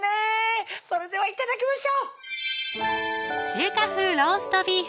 それでは頂きましょう